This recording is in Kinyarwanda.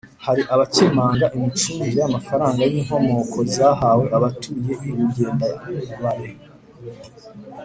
hari abakemanga imicungire y’amafaranga y’inkomoko zahawe abatuye I rugendabare